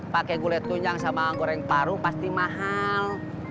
pakai gulai tunjang sama goreng paru pasti mahal